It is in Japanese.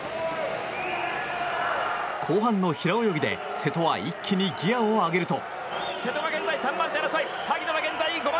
後半の平泳ぎで瀬戸は一気にギアを上げると。